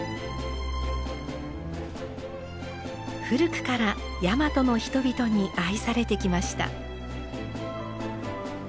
古くからやまとの人々に愛されてきました。